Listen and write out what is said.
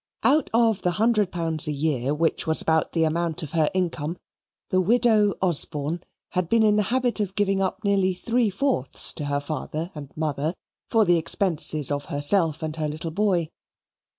Out of the hundred pounds a year, which was about the amount of her income, the Widow Osborne had been in the habit of giving up nearly three fourths to her father and mother, for the expenses of herself and her little boy.